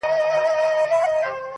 زموږ د سندرو د ښادیو وطن-